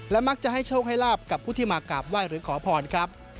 มักจะให้โชคให้ลาบกับผู้ที่มากราบไหว้หรือขอพรครับ